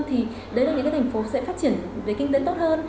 thì đấy là những cái thành phố sẽ phát triển về kinh tế tốt hơn